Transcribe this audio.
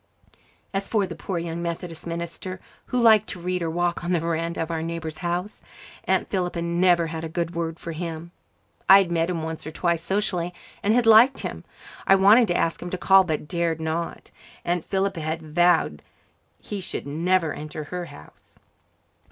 As for the poor young Methodist minister, who liked to read or walk on the verandah of our neighbour's house, Aunt Philippa never had a good word for him. I had met him once or twice socially and had liked him. I wanted to ask him to call but dared not Aunt Philippa had vowed he should never enter her house.